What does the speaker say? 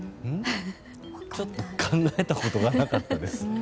ちょっと考えたことがなかったです。